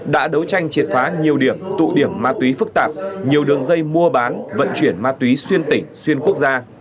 đã đấu tranh triệt phá nhiều điểm tụ điểm ma túy phức tạp nhiều đường dây mua bán vận chuyển ma túy xuyên tỉnh xuyên quốc gia